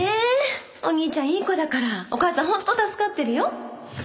お兄ちゃんいい子だからお母さん本当助かってるよ。